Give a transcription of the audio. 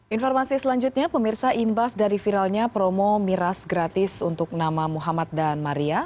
informasi selanjutnya pemirsa imbas dari viralnya promo miras gratis untuk nama muhammad dan maria